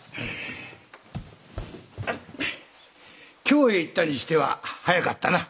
京へ行ったにしては早かったな。